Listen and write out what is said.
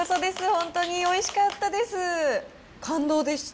本当においしかったです。